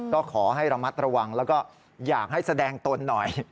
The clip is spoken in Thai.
ก็ขอให้ระมัดระวังแล้วก็อยากให้แสดงตนหน่อย